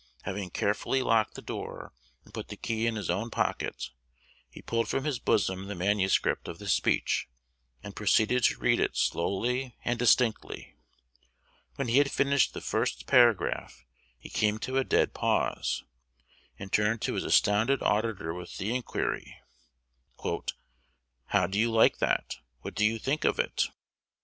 Having carefully locked the door, and put the key in his own pocket, he pulled from his bosom the manuscript of his speech, and proceeded to read it slowly and distinctly. When he had finished the first paragraph, he came to a dead pause, and turned to his astounded auditor with the inquiry, "How do you like that? What do you think of it?"